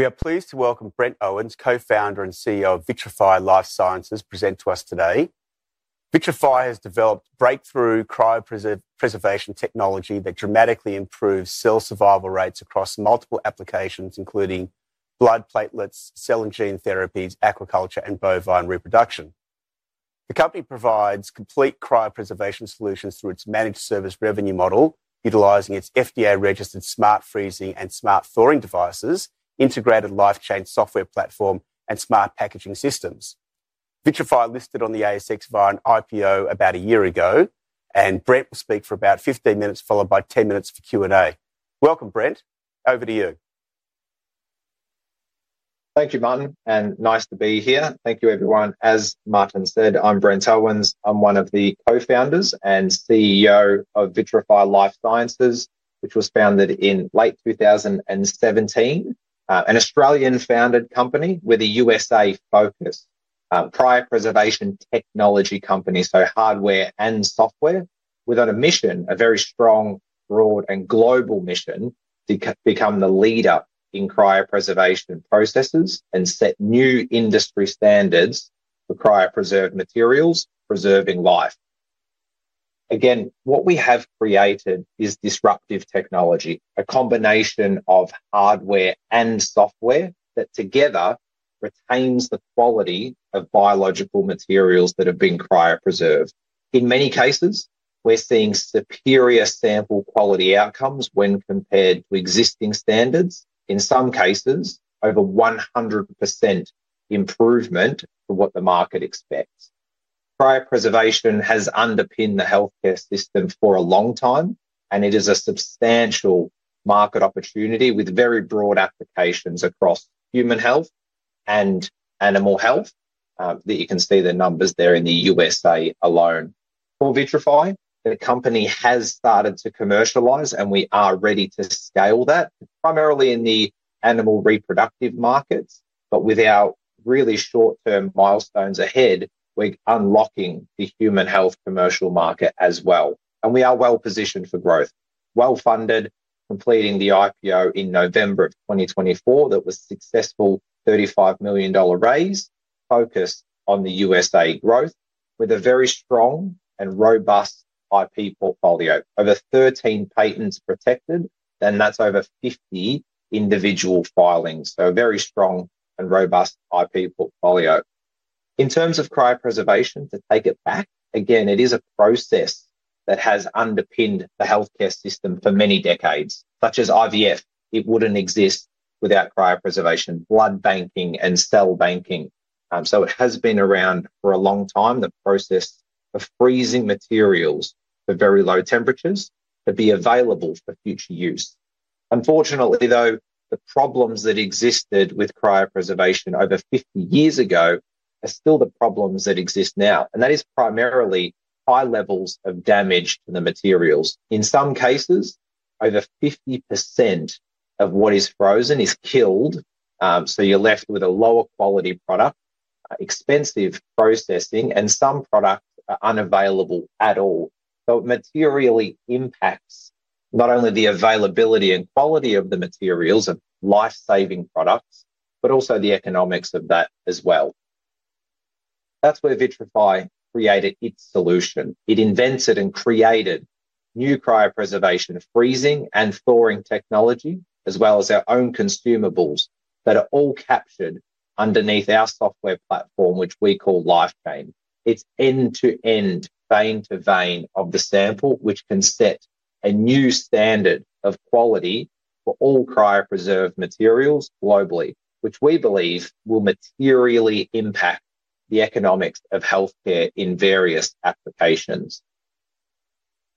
We are pleased to welcome Brent Owens, Co-founder and CEO of Vitrafy Life Sciences, to present to us today. Vitrafy has developed breakthrough cryopreservation technology that dramatically improves cell survival rates across multiple applications, including blood platelets, cell and gene therapies, aquaculture, and bovine reproduction. The company provides complete cryopreservation solutions through its managed service revenue model, utilizing its FDA-registered smart freezing and smart thawing devices, integrated LifeChain software platform, and smart packaging systems. Vitrafy listed on the ASX via an IPO about a year ago, and Brent will speak for about 15 minutes, followed by 10 minutes for Q&A. Welcome, Brent. Over to you. Thank you, Martin, and nice to be here. Thank you, everyone. As Martin said, I'm Brent Owens. I'm one of the co-founders and CEO of Vitrafy Life Sciences, which was founded in late 2017, an Australian-founded company with a U.S.A. focus, a cryopreservation technology company, so hardware and software, with a mission, a very strong, broad, and global mission to become the leader in cryopreservation processes and set new industry standards for cryopreserved materials, preserving life. Again, what we have created is disruptive technology, a combination of hardware and software that together retains the quality of biological materials that have been cryopreserved. In many cases, we're seeing superior sample quality outcomes when compared to existing standards, in some cases over 100% improvement to what the market expects. Cryopreservation has underpinned the healthcare system for a long time, and it is a substantial market opportunity with very broad applications across human health and animal health. You can see the numbers there in the U.S.A. alone. For Vitrafy, the company has started to commercialize, and we are ready to scale that primarily in the animal reproductive markets, but with our really short-term milestones ahead, we are unlocking the human health commercial market as well, and we are well-positioned for growth. Well-funded, completing the IPO in November of 2024 that was a successful 35 million dollar raise, focused on the U.S.A. growth, with a very strong and robust IP portfolio, over 13 patents protected, and that's over 50 individual filings, so a very strong and robust IP portfolio. In terms of cryopreservation, to take it back, again, it is a process that has underpinned the healthcare system for many decades, such as IVF. It would not exist without cryopreservation, blood banking, and cell banking. It has been around for a long time, the process of freezing materials to very low temperatures to be available for future use. Unfortunately, though, the problems that existed with cryopreservation over 50 years ago are still the problems that exist now, and that is primarily high levels of damage to the materials. In some cases, over 50% of what is frozen is killed, so you are left with a lower quality product, expensive processing, and some products are unavailable at all. It materially impacts not only the availability and quality of the materials and life-saving products, but also the economics of that as well. That is where Vitrafy created its solution. It invented and created new cryopreservation freezing and thawing technology, as well as our own consumables that are all captured underneath our software platform, which we call LifeChain. It is end-to-end, vein-to-vein of the sample, which can set a new standard of quality for all cryopreserved materials globally, which we believe will materially impact the economics of healthcare in various applications.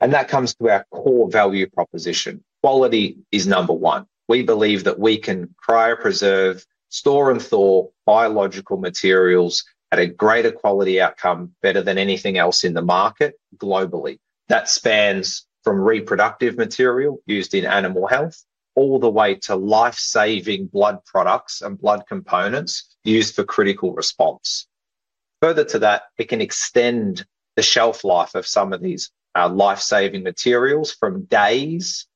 That comes to our core value proposition. Quality is number one. We believe that we can cryopreserve, store, and thaw biological materials at a greater quality outcome, better than anything else in the market globally. That spans from reproductive material used in animal health all the way to life-saving blood products and blood components used for critical response. Further to that, it can extend the shelf life of some of these life-saving materials from days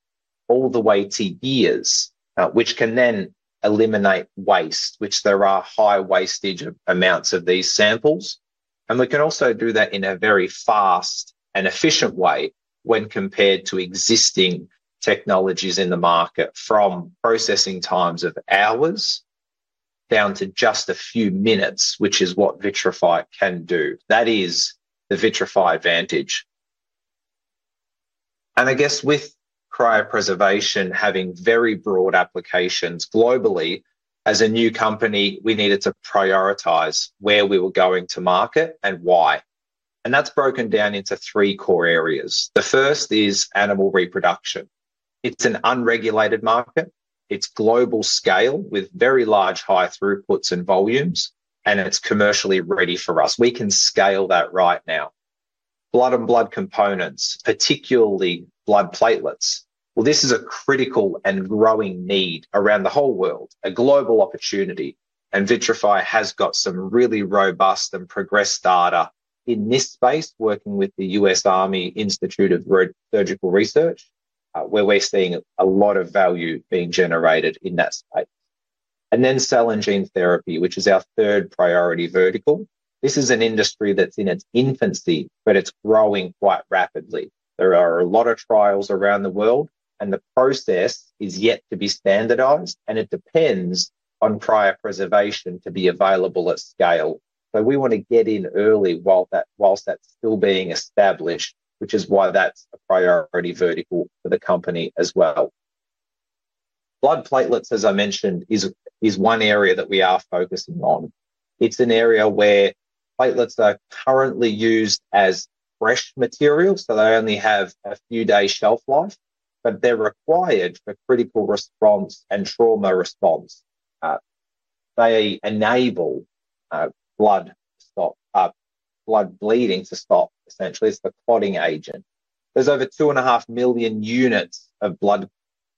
all the way to years, which can then eliminate waste, which there are high wastage amounts of these samples. We can also do that in a very fast and efficient way when compared to existing technologies in the market, from processing times of hours down to just a few minutes, which is what Vitrafy can do. That is the Vitrafy advantage. I guess with cryopreservation having very broad applications globally, as a new company, we needed to prioritize where we were going to market and why. That is broken down into three core areas. The first is animal reproduction. It is an unregulated market. It is global scale with very large high throughputs and volumes, and it is commercially ready for us. We can scale that right now. Blood and blood components, particularly blood platelets. This is a critical and growing need around the whole world, a global opportunity, and Vitrafy has got some really robust and progressed data in this space, working with the U.S. Army Institute of Surgical Research, where we're seeing a lot of value being generated in that space. Then cell and gene therapy, which is our third priority vertical. This is an industry that's in its infancy, but it's growing quite rapidly. There are a lot of trials around the world, and the process is yet to be standardized, and it depends on cryopreservation to be available at scale. We want to get in early whilst that's still being established, which is why that's a priority vertical for the company as well. Blood platelets, as I mentioned, is one area that we are focusing on. It's an area where platelets are currently used as fresh materials, so they only have a few days' shelf life, but they're required for critical response and trauma response. They enable blood bleeding to stop, essentially, as the clotting agent. There's over 2.5 million units of blood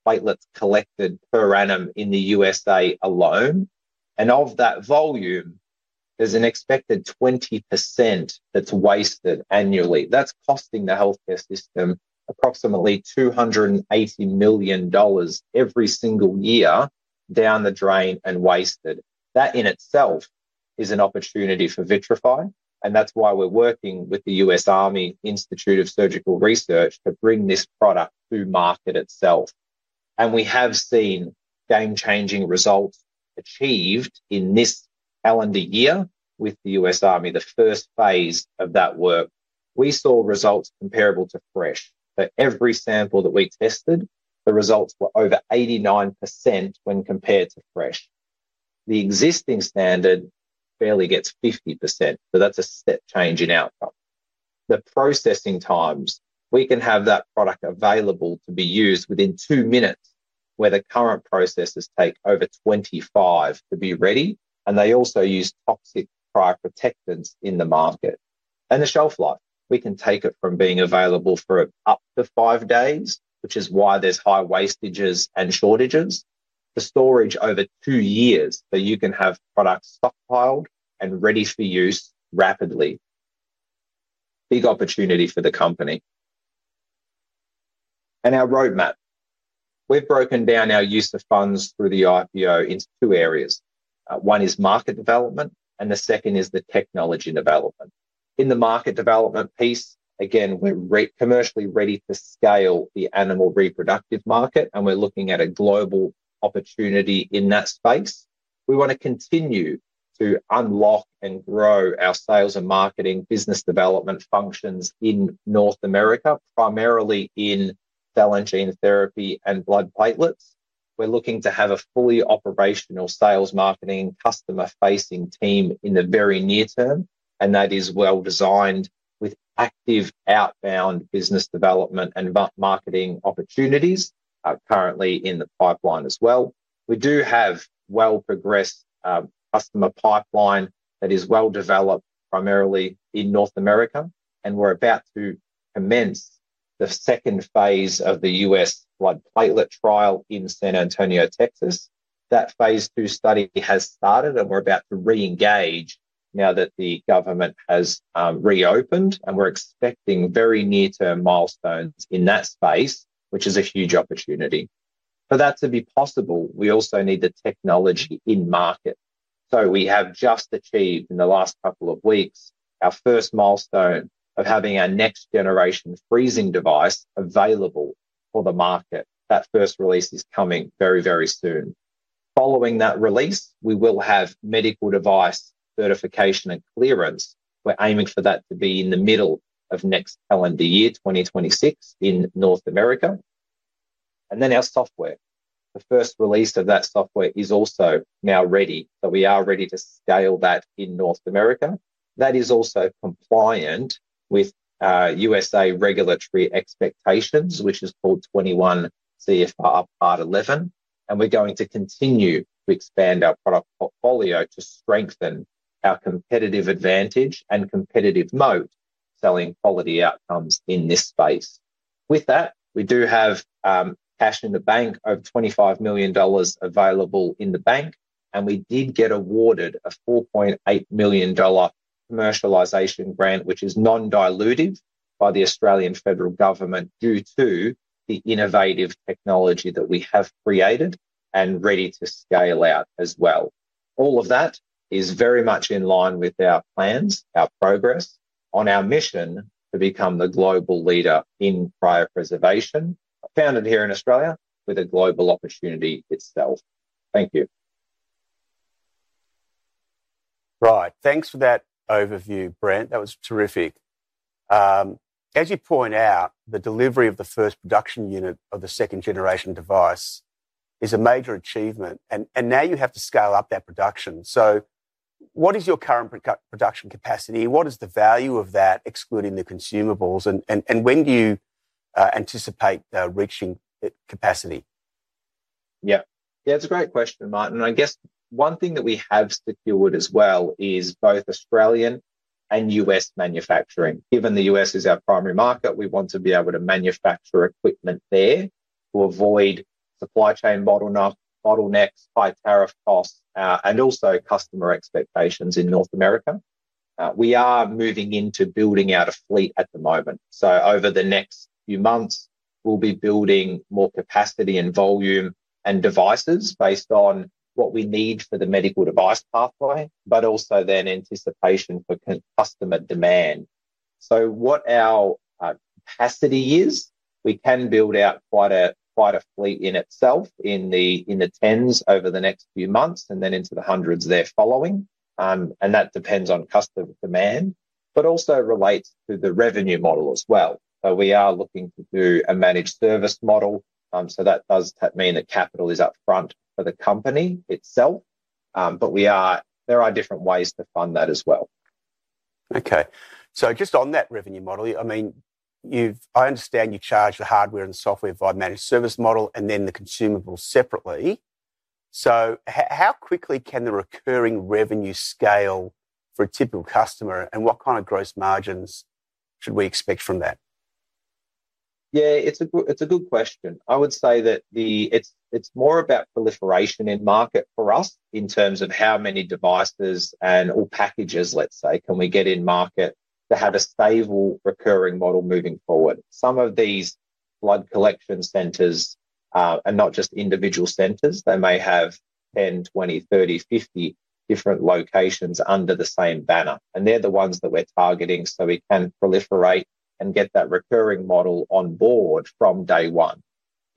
platelets collected per annum in the U.S.A. alone, and of that volume, there's an expected 20% that's wasted annually. That's costing the healthcare system approximately 280 million dollars every single year down the drain and wasted. That in itself is an opportunity for Vitrafy, and that's why we're working with the U.S. Army Institute of Surgical Research to bring this product to market itself. We have seen game-changing results achieved in this calendar year with the U.S. Army, the first phase of that work. We saw results comparable to fresh. For every sample that we tested, the results were over 89% when compared to fresh. The existing standard barely gets 50%, so that's a step change in outcome. The processing times, we can have that product available to be used within two minutes, where the current processes take over 25 to be ready, and they also use toxic cryoprotectants in the market. The shelf life, we can take it from being available for up to five days, which is why there's high wastages and shortages, to storage over two years, so you can have products stockpiled and ready for use rapidly. Big opportunity for the company. Our roadmap. We've broken down our use of funds through the IPO into two areas. One is market development, and the second is the technology development. In the market development piece, again, we're commercially ready to scale the animal reproductive market, and we're looking at a global opportunity in that space. We want to continue to unlock and grow our sales and marketing business development functions in North America, primarily in cell and gene therapy and blood platelets. We're looking to have a fully operational sales marketing customer-facing team in the very near term, and that is well-designed with active outbound business development and marketing opportunities currently in the pipeline as well. We do have a well-progressed customer pipeline that is well-developed primarily in North America, and we're about to commence the second phase of the U.S. blood platelet trial in San Antonio, Texas. That phase II study has started, and we're about to reengage now that the government has reopened, and we're expecting very near-term milestones in that space, which is a huge opportunity. For that to be possible, we also need the technology in market. We have just achieved, in the last couple of weeks, our first milestone of having our next-generation freezing device available for the market. That first release is coming very, very soon. Following that release, we will have medical device certification and clearance. We are aiming for that to be in the middle of next calendar year, 2026, in North America. Our software, the first release of that software is also now ready, so we are ready to scale that in North America. That is also compliant with U.S. regulatory expectations, which is called 21 CFR Part 11, and we are going to continue to expand our product portfolio to strengthen our competitive advantage and competitive moat selling quality outcomes in this space. With that, we do have cash in the bank of 25 million dollars available in the bank, and we did get awarded a 4.8 million dollar commercialization grant, which is non-dilutive by the Australian federal government due to the innovative technology that we have created and ready to scale out as well. All of that is very much in line with our plans, our progress on our mission to become the global leader in cryopreservation, founded here in Australia with a global opportunity itself. Thank you. Right. Thanks for that overview, Brent. That was terrific. As you point out, the delivery of the first production unit of the second-generation device is a major achievement, and now you have to scale up that production. What is your current production capacity? What is the value of that, excluding the consumables? When do you anticipate reaching capacity? Yeah. Yeah, it's a great question, Martin. I guess one thing that we have secured as well is both Australian and U.S. manufacturing. Given the U.S. is our primary market, we want to be able to manufacture equipment there to avoid supply chain bottlenecks, high tariff costs, and also customer expectations in North America. We are moving into building out a fleet at the moment. Over the next few months, we'll be building more capacity and volume and devices based on what we need for the medical device pathway, but also in anticipation for customer demand. What our capacity is, we can build out quite a fleet in itself in the tens over the next few months and then into the hundreds thereafter, and that depends on customer demand, but also relates to the revenue model as well. We are looking to do a managed service model, so that does mean that capital is upfront for the company itself, but there are different ways to fund that as well. Okay. Just on that revenue model, I mean, I understand you charge the hardware and software via managed service model and then the consumables separately. How quickly can the recurring revenue scale for a typical customer, and what kind of gross margins should we expect from that? Yeah, it's a good question. I would say that it's more about proliferation in market for us in terms of how many devices and/or packages, let's say, can we get in market to have a stable recurring model moving forward. Some of these blood collection centers are not just individual centers. They may have 10, 20, 30, 50 different locations under the same banner, and they're the ones that we're targeting so we can proliferate and get that recurring model on board from day one.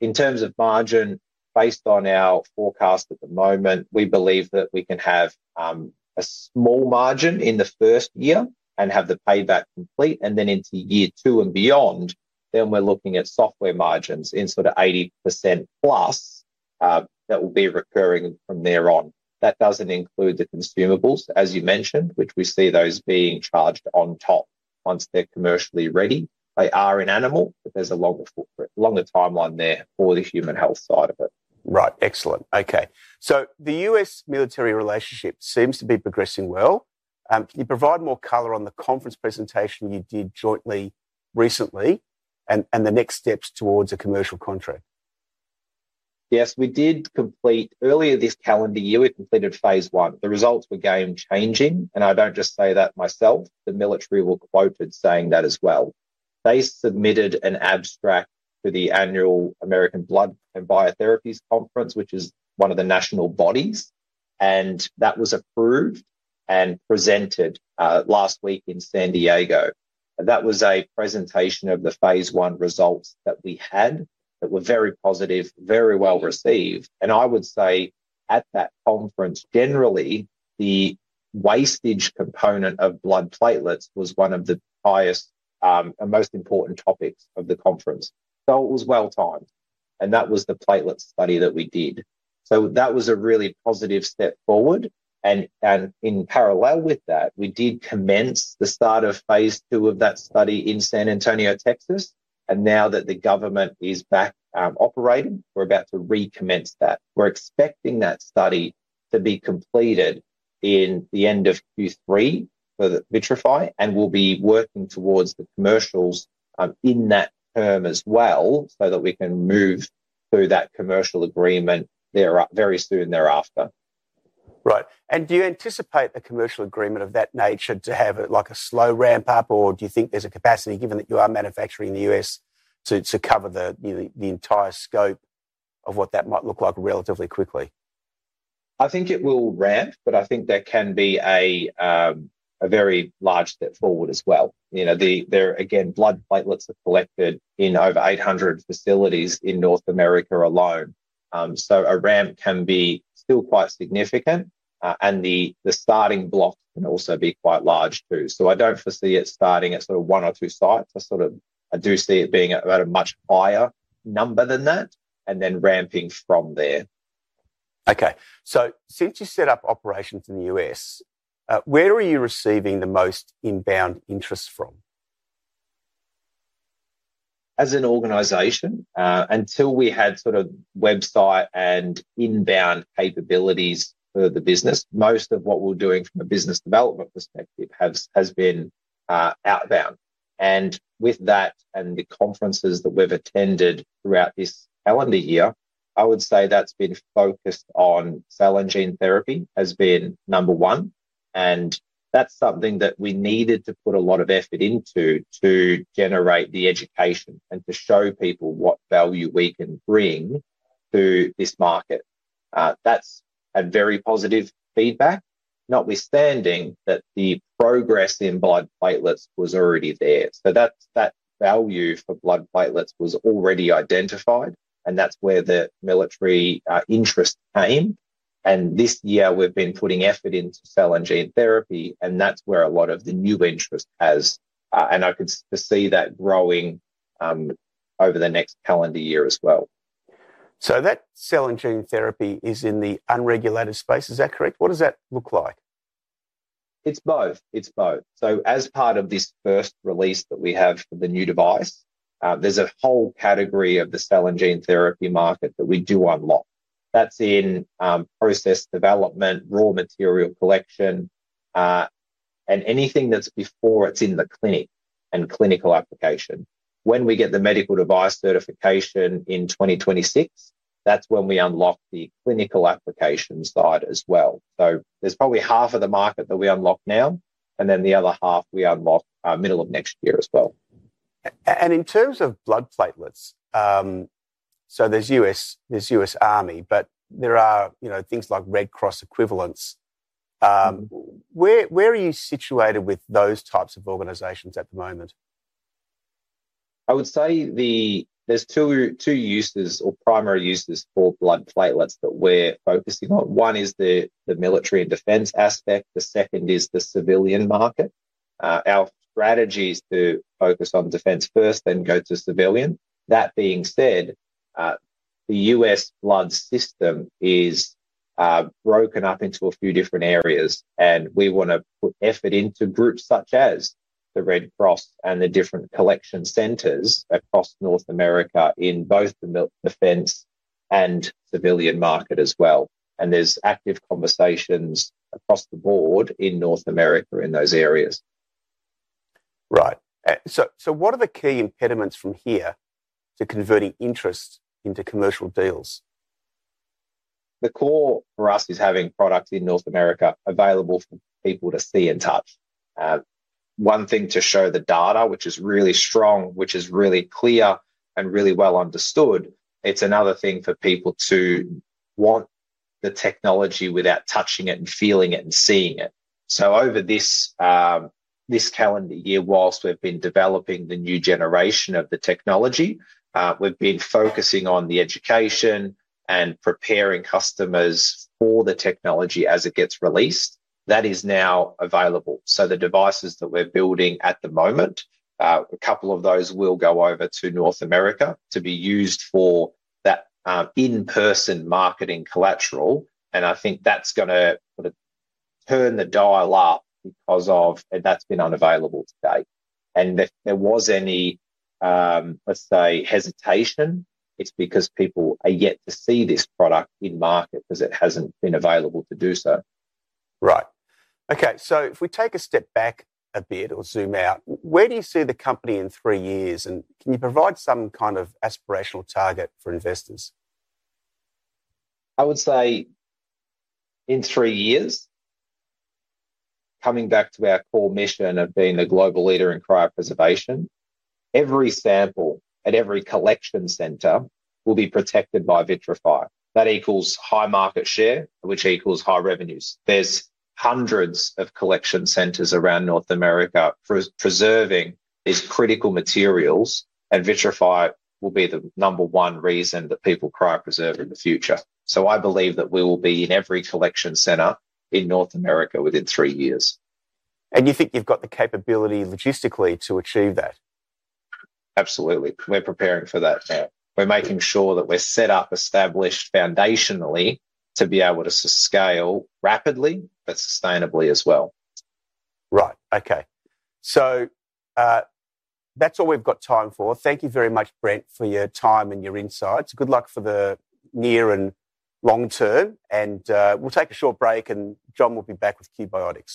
In terms of margin, based on our forecast at the moment, we believe that we can have a small margin in the first year and have the payback complete, and then into year two and beyond, then we're looking at software margins in sort of 80% plus that will be recurring from there on. That doesn't include the consumables, as you mentioned, which we see those being charged on top once they're commercially ready. They are in animal, but there's a longer timeline there for the human health side of it. Right. Excellent. Okay. The U.S. military relationship seems to be progressing well. Can you provide more color on the conference presentation you did jointly recently and the next steps towards a commercial contract? Yes. We did complete earlier this calendar year, we completed phase I. The results were game-changing, and I don't just say that myself. The military were quoted saying that as well. They submitted an abstract to the annual American Blood and Biotherapies Conference, which is one of the national bodies, and that was approved and presented last week in San Diego. That was a presentation of the phase I results that we had that were very positive, very well received. I would say at that conference, generally, the wastage component of blood platelets was one of the highest and most important topics of the conference. It was well-timed, and that was the platelet study that we did. That was a really positive step forward. In parallel with that, we did commence the start of phase II of that study in San Antonio, Texas. Now that the government is back operating, we're about to recommence that. We're expecting that study to be completed in the end of Q3 for Vitrafy, and we'll be working towards the commercials in that term as well so that we can move through that commercial agreement very soon thereafter. Right. Do you anticipate a commercial agreement of that nature to have a slow ramp up, or do you think there's a capacity, given that you are manufacturing in the U.S., to cover the entire scope of what that might look like relatively quickly? I think it will ramp, but I think there can be a very large step forward as well. Again, blood platelets are collected in over 800 facilities in North America alone. A ramp can be still quite significant, and the starting block can also be quite large too. I do not foresee it starting at sort of one or two sites. I do see it being about a much higher number than that and then ramping from there. Okay. Since you set up operations in the U.S., where are you receiving the most inbound interest from? As an organization, until we had sort of website and inbound capabilities for the business, most of what we're doing from a business development perspective has been outbound. With that and the conferences that we've attended throughout this calendar year, I would say that's been focused on cell and gene therapy as being number one. That's something that we needed to put a lot of effort into to generate the education and to show people what value we can bring to this market. That's a very positive feedback, notwithstanding that the progress in blood platelets was already there. That value for blood platelets was already identified, and that's where the military interest came. This year, we've been putting effort into cell and gene therapy, and that's where a lot of the new interest has. I could foresee that growing over the next calendar year as well. That cell and gene therapy is in the unregulated space. Is that correct? What does that look like? It's both. It's both. As part of this first release that we have for the new device, there's a whole category of the cell and gene therapy market that we do unlock. That's in process development, raw material collection, and anything that's before it's in the clinic and clinical application. When we get the medical device certification in 2026, that's when we unlock the clinical application side as well. There's probably half of the market that we unlock now, and then the other half we unlock middle of next year as well. In terms of blood platelets, so there's U.S. Army, but there are things like Red Cross equivalents. Where are you situated with those types of organizations at the moment? I would say there's two uses or primary uses for blood platelets that we're focusing on. One is the military and defense aspect. The second is the civilian market. Our strategy is to focus on defense first, then go to civilian. That being said, the U.S. blood system is broken up into a few different areas, and we want to put effort into groups such as the Red Cross and the different collection centers across North America in both the defense and civilian market as well. There's active conversations across the board in North America in those areas. Right. What are the key impediments from here to converting interest into commercial deals? The core for us is having products in North America available for people to see and touch. One thing to show the data, which is really strong, which is really clear and really well understood, it's another thing for people to want the technology without touching it and feeling it and seeing it. Over this calendar year, whilst we've been developing the new generation of the technology, we've been focusing on the education and preparing customers for the technology as it gets released. That is now available. The devices that we're building at the moment, a couple of those will go over to North America to be used for that in-person marketing collateral. I think that's going to turn the dial up because that's been unavailable to date. If there was any, let's say, hesitation, it's because people are yet to see this product in market because it hasn't been available to do so. Right. Okay. If we take a step back a bit or zoom out, where do you see the company in three years? Can you provide some kind of aspirational target for investors? I would say in three years, coming back to our core mission of being a global leader in cryopreservation, every sample at every collection center will be protected by Vitrafy. That equals high market share, which equals high revenues. There are hundreds of collection centers around North America preserving these critical materials, and Vitrafy will be the number one reason that people cryopreserve in the future. I believe that we will be in every collection center in North America within three years. Do you think you've got the capability logistically to achieve that? Absolutely. We're preparing for that now. We're making sure that we're set up, established foundationally to be able to scale rapidly, but sustainably as well. Right. Okay. That's all we've got time for. Thank you very much, Brent, for your time and your insights. Good luck for the near and long term. We'll take a short break, and John will be back with QBiotics.